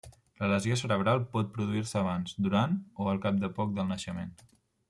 La lesió cerebral pot produir-se abans, durant o al cap de poc del naixement.